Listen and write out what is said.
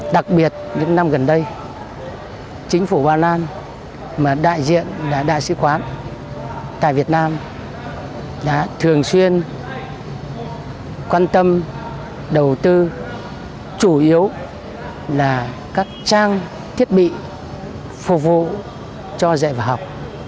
đặc biệt những năm gần đây chính phủ ba lan mà đại diện đại sứ quán tại việt nam đã thường xuyên quan tâm đầu tư chủ yếu là các trang thiết bị phục vụ cho dạy và học